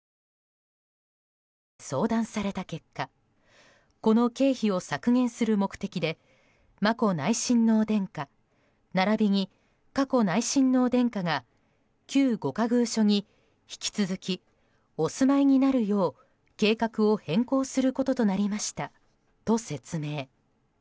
相談された結果この経費を削減する目的で眞子内親王殿下、並びに佳子内親王殿下が旧御仮寓所に引き続きお住まいになるよう計画を変更することとなりましたと説明。